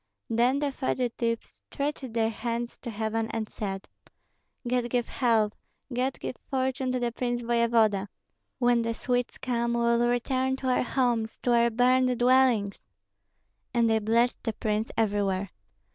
Then the fugitives stretched their hands to heaven and said, "God give health, God give fortune to the prince voevoda! When the Swedes come we will return to our homes, to our burned dwellings." And they blessed the prince everywhere.